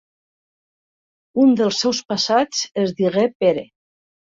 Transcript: Un dels seus passats es digué Pere.